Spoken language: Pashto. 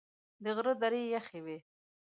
د غره درې یخي وې .